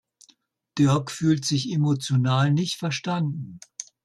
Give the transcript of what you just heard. Dirk fühlt sich emotional nicht verstanden.